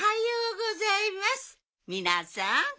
みなさん